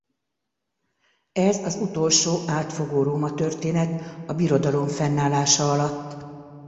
Ez az utolsó átfogó Róma-történet a Birodalom fennállása alatt.